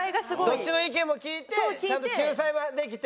どっちの意見も聞いてちゃんと仲裁はできて。